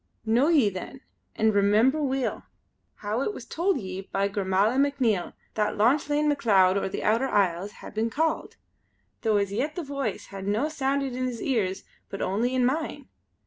Know ye then, and remember weel, how it was told ye by Gormala MacNiel that Lauchlane Macleod o' the Outer Isles hae been Called; tho' as yet the Voice has no sounded in his ears but only in mine.